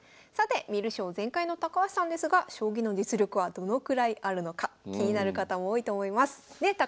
さて観る将全開の高橋さんですが将棋の実力はどのくらいあるのか気になる方も多いと思います。ね？